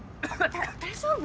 だ大丈夫？